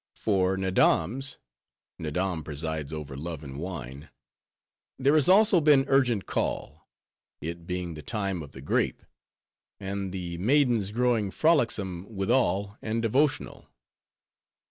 For Nadams (Nadam presides over love and wine), there has also been urgent call; it being the time of the grape; and the maidens growing frolicsome withal, and devotional."